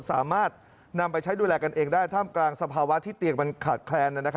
สามารถนำไปใช้ดูแลกันเองได้ท่ามกลางสภาวะที่เตียงมันขาดแคลน